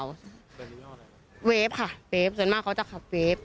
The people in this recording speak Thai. เวฟค่ะเวฟส่วนมากเขาจะขับเวฟ